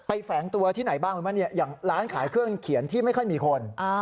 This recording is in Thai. แฝงตัวที่ไหนบ้างรู้ไหมเนี่ยอย่างร้านขายเครื่องเขียนที่ไม่ค่อยมีคน